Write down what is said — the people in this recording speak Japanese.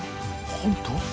本当？